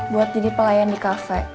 buat jadi pelayan di kafe